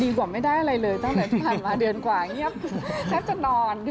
กว่าไม่ได้อะไรเลยตั้งแต่ที่ผ่านมาเดือนกว่าเงียบแทบจะนอน